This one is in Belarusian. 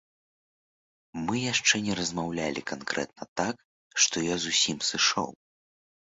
Мы яшчэ не размаўлялі канкрэтна так, што я зусім сышоў.